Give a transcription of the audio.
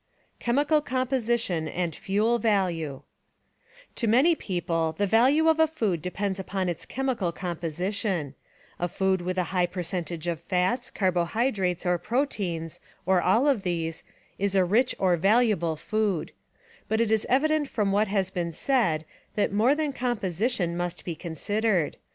* Chemical Composition and Fuel Value To many people the value of a food depends upon its chemical composition. A food with a high percentage of fats, carbohydrates or *See Irving Fisher, Elementary Principles of Economics, N. Y., 1913. 7 proteins, or all of these, is a rich or valuable food. But it is evident from what has been said that more than composition must be considered.